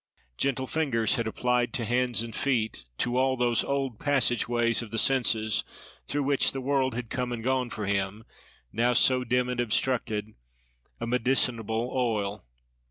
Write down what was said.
Gentle fingers had applied to hands and feet, to all those old passage ways of the senses, through which the world had come and gone for him, now so dim and obstructed, a medicinable oil.